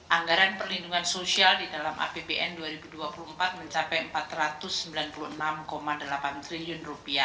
anggaran perlindungan sosial di dalam apbn dua ribu dua puluh empat mencapai rp empat ratus sembilan puluh enam delapan triliun